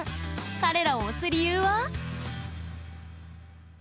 彼らを推す理由は？